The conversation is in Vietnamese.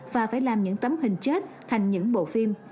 và phải làm những tấm hình chết thành những bộ phim